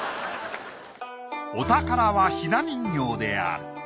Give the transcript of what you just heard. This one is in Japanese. お宝は雛人形である。